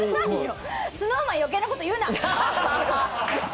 ＳｎｏｗＭａｎ余計なこと言うな！